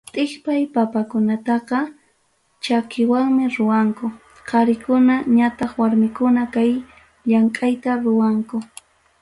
Tipqay papakunataqa, chakiwanmi ruwakun, qarikuna ñataq warmikuna kay llamkayta ruwanku.